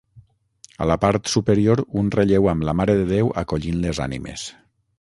A la part superior, un relleu amb la Mare de Déu acollint les ànimes.